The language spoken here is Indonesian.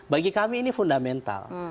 bagi kami ini fundamental